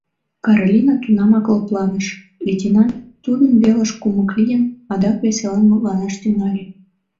Каролина тунамак лыпланыш, лейтенант, тудын велыш кумык лийын, адак веселан мутланаш тӱҥале.